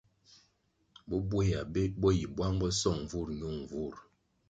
Bubweya bo yi bwang bo song nvurʼ nyun nvurʼ.